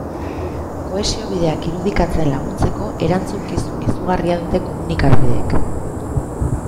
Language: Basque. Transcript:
Kohesio bideak irudikatzen laguntzeko erantzukizun izugarria dute komunikabideek.